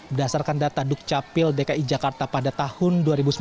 berdasarkan data dukcapil dki jakarta pada tahun dua ribu sembilan belas